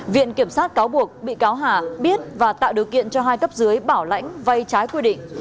viện kiểm sát cáo buộc bị cáo hà biết và tạo điều kiện cho hai cấp dưới bảo lãnh vay trái quy định